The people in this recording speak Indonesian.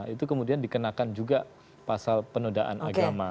itu kemudian dikenakan juga pasal penodaan agama